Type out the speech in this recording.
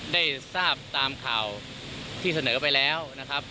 ได้ทราบตามข่าวที่เสนอไปแล้วนะครับ